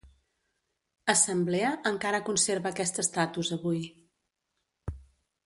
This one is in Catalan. Assemblea encara conserva aquest estatus avui.